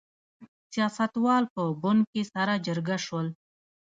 سیاستوال په بن کې سره جرګه شول.